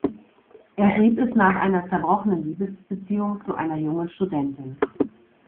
Er schrieb es nach einer zerbrochenen Liebesbeziehung zu einer jungen Studentin.